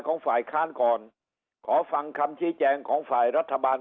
ของฝ่ายค้านก่อนขอฟังคำชี้แจงของฝ่ายรัฐบาล